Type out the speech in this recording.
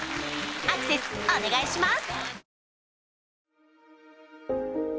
アクセスお願いします！